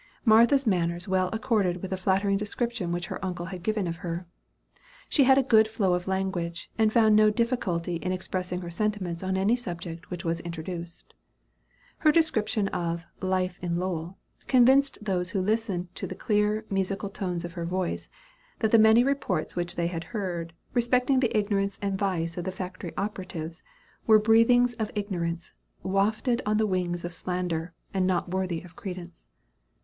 Martha's manners well accorded with the flattering description which her uncle had given of her. She had a good flow of language, and found no difficulty in expressing her sentiments on any subject which was introduced. Her description of "Life in Lowell" convinced those who listened to the clear, musical tones of her voice, that the many reports which they had heard, respecting the ignorance and vice of the factory operatives, were the breathings of ignorance, wafted on the wings of slander, and not worthy of credence.